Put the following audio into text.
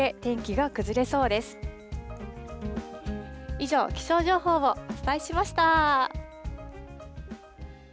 以上、気象情報をお伝えしました。